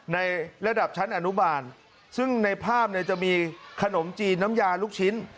ในระดับชั้นอนุบาลซึ่งในภาพเนี่ยจะมีขนมจีนน้ำยาลูกชิ้น